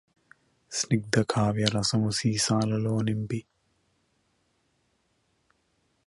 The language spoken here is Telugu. స్నిగ్ధ కావ్యరసము సీసాలలో నింపి